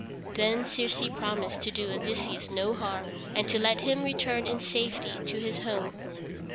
Then Circe promised to do Odysseus no harm, and to let him return in safety to his home.